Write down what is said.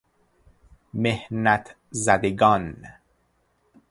محنت زدگان